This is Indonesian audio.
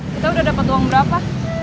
kita udah dapat uang berapa